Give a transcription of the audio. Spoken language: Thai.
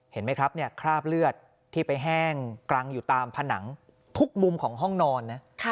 เห็นไหมครับคราบเลือดที่ไปแห้งกรังอยู่ตามผนังทุกมุมของห้องนอนนะ